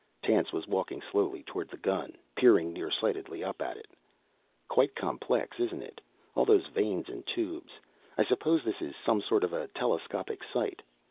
Tance was walking slowly toward the gun, peering nearsightedly up at it. "Quite complex, isn't it? All those vanes and tubes. I suppose this is some sort of a telescopic sight."